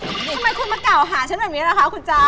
ทำไมคุณมาก่อหาชั้นแบบนี้แล้วค่ะคุณจ้า